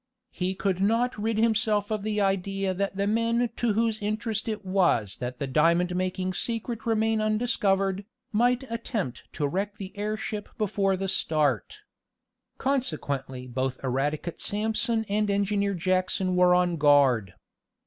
He could not rid himself of the idea that the men to whose interest it was that the diamond making secret remain undiscovered, might attempt to wreck the airship before the start. Consequently both Eradicate Sampson and Engineer Jackson were on guard.